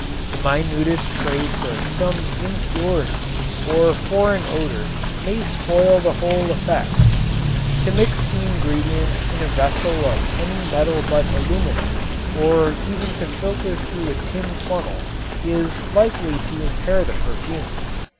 The minutest trace of some impurity or foreign odor may spoil the whole effect. To mix the ingredients in a vessel of any metal but aluminum or even to filter through a tin funnel is likely to impair the perfume.